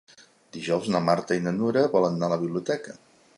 Dijous na Marta i na Nura volen anar a la biblioteca.